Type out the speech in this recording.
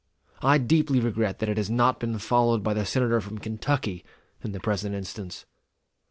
I deeply regret that it has not been followed by the Senator from Kentucky in the present instance.